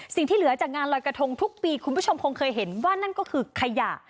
ที่เหลือจากงานลอยกระทงทุกปีคุณผู้ชมคงเคยเห็นว่านั่นก็คือขยะ